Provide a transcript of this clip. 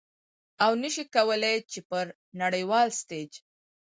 او نشي کولې چې په نړیوال ستیج